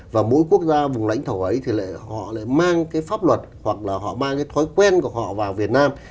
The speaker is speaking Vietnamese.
và mỗi quốc gia vùng lãnh thổ ấy thì họ lại mang cái pháp luật hoặc là họ mang cái thói quen của họ vào việt nam